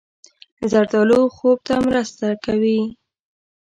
زردالو خوب ته مرسته کوي.